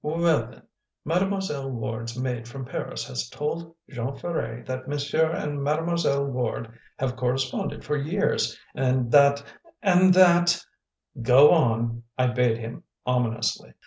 "Well, then, Mademoiselle Ward's maid from Paris has told Jean Ferret that monsieur and Mademoiselle Ward have corresponded for years, and that and that " "Go on," I bade him ominously.